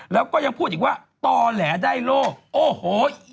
แล้วก็ยังพูดอีกว่าต่อแหลได้โลกโอ้โห